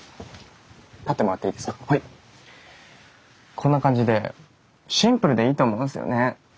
こんな感じでシンプルでいいと思うんですよね。